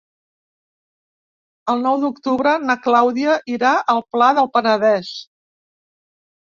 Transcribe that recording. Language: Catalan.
El nou d'octubre na Clàudia irà al Pla del Penedès.